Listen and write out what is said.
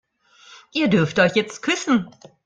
Ihr dürft euch jetzt küssen.